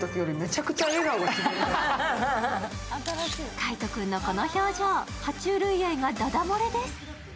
海音君のこの表情、は虫類愛がダダ漏れです。